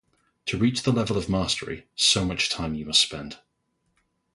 To reach the level of Mastery, so much time you must spend.